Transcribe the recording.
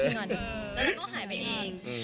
แต่ก็หายไปเอง